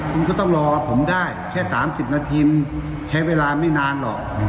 คุณก็ต้องรอผมได้แค่๓๐นาทีมันใช้เวลาไม่นานหรอก